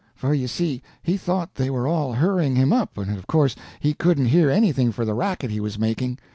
for you see he thought they were all hurrying him up, and, of course, he couldn't hear anything for the racket he was making.